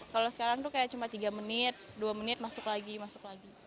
kalau sekarang tuh kayak cuma tiga menit dua menit masuk lagi masuk lagi